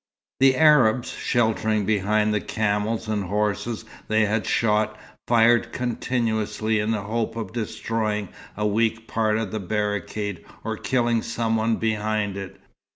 The Arabs, sheltering behind the camels and horses they had shot, fired continuously in the hope of destroying a weak part of the barricade or killing some one behind it.